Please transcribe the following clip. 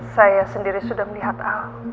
saya sendiri sudah melihat